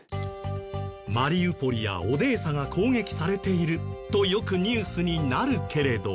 「マリウポリやオデーサが攻撃されている」とよくニュースになるけれど。